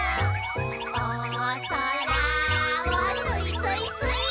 「おそらをすいすいすいー」